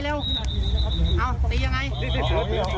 แล้วก็ตีเอาตีตียังไงเร็ว